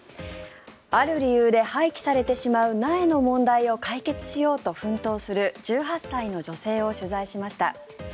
ある理由で廃棄されてしまう苗の問題を解決しようと奮闘する１８歳の女性を取材しました。